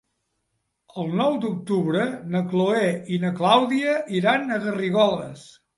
El nou d'octubre na Chloé i na Clàudia iran a Garrigoles.